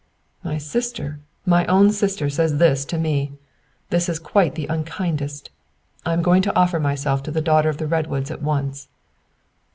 "My sister my own sister says this to me! This is quite the unkindest. I'm going to offer myself to the daughter of the redwoods at once."